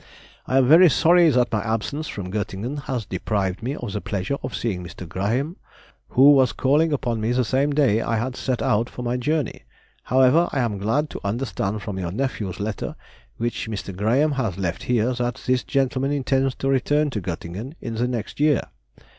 I am very sorry that my absence from Göttingen has deprived me of the pleasure of seeing Mr. Grahame, who was calling upon me the same day I had set out for my journey. However, I am glad to understand from your nephew's letter, which Mr. Grahame has left here, that this gentleman intends to return to Göttingen in the next year.